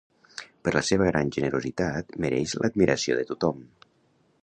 Per la seva gran generositat, mereix l'admiració de tothom.